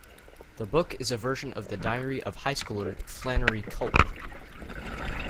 The book is a version of the diary of high-schooler Flannery Culp.